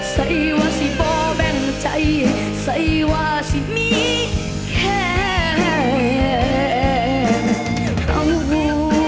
ใส่ว่าจะเป่าแบ่งใจใส่ว่าจะมีแค่